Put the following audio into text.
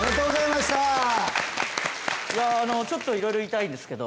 ちょっといろいろ言いたいんですけど。